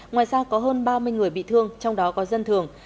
ngoài ra có hơn ba mươi người bị thương trong đó có dân thường